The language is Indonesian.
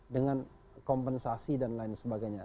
dengan kompensasi dan lain sebagainya